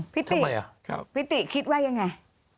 พี่ติคิดว่ายังไง